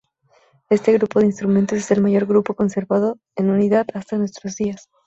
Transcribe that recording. Este grupo de instrumentos es el mayor grupo conservado en unidad hasta nuestros días.